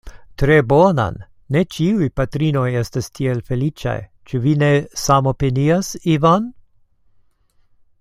Tre bonan, ne ĉiuj patrinoj estas tiel feliĉaj; ĉu vi ne samopinias Ivan?